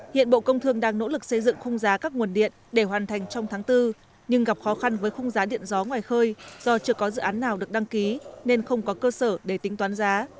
hiện bộ công thương đang nỗ lực xây dựng khung giá các nguồn điện để hoàn thành trong tháng bốn nhưng gặp khó khăn với khung giá điện gió ngoài khơi do chưa có dự án nào được đăng ký nên không có cơ sở để tính toán giá